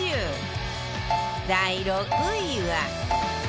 第６位は